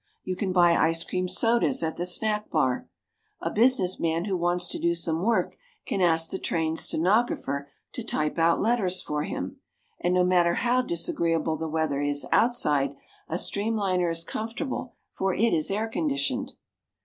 You can buy ice cream sodas at the snack bar. A businessman who wants to do some work can ask the train's stenographer to type out letters for him. And no matter how disagreeable the weather is outside, a streamliner is comfortable for it is air conditioned.